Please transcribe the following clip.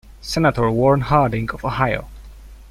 Senator Warren Harding of Ohio.